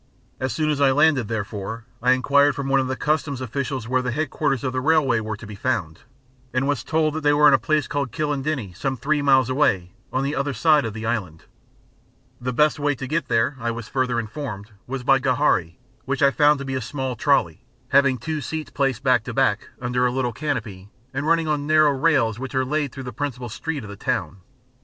As soon as I landed, therefore, I enquired from one of the Customs officials where the headquarters of the railway were to be found, and was told that they were at a place called Kilindini, some three miles away, on the other side of the island. The best way to get there, I was further informed, was by gharri, which I found to be a small trolley, having two seats placed back to back under a little canopy and running on narrow rails which are laid through the principal street of the town.